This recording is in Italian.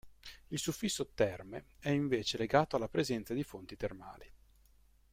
Il suffisso "Terme" è invece legato alla presenza di fonti termali.